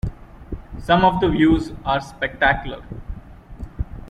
Some of the views are spectacular.